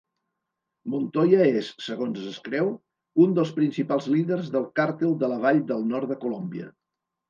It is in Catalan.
Montoya és, segons es creu, un dels principals líders del càrtel de la Vall del nord de Colòmbia.